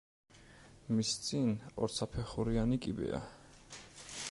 მის წინ ორსაფეხურიანი კიბეა.